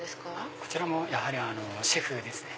こちらもやはりシェフですね。